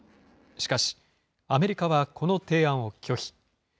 しかし、アメリカはこの提案を拒否。